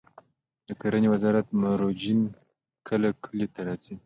د کرنې وزارت مروجین کله کلیو ته راځي؟